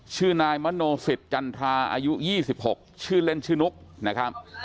ชื่อนายมโนสิตจันทราอายุ๒๖ชื่อเล่นชื่อนุ๊กนะครับ